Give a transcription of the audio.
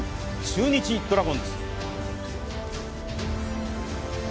中日ドラゴンズ。